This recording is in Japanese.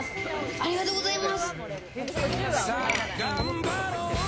ありがとうございます。